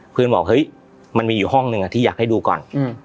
เพื่อนบอกเฮ้ยมันมีอยู่ห้องหนึ่งที่อยากให้ดูก่อน